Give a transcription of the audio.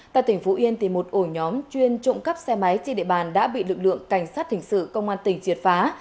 tại tỉnh phú yên một ổ nhóm chuyên trộm cắp xe máy trên địa bàn đã bị lực lượng cảnh sát hình sự công an tỉnh triệt phá